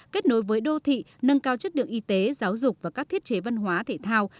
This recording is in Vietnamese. kết nối với đô thị nâng cao chất lượng y tế giáo dục và các thiết chế văn hóa thể thao